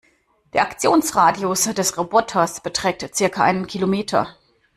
Der Aktionsradius des Roboters beträgt circa einen Kilometer.